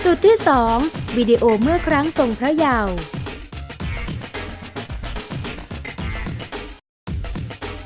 ที่สองวีดีโอเมื่อครั้งทรงพระยาว